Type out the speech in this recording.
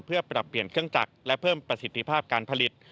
เพื่อปรับเปลี่ยนเครื่องจักรและเพิ่มประสิทธิภาพการผลิต